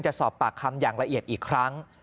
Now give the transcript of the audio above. จะสอบปากคำอย่างละเอียดอีกครั้ง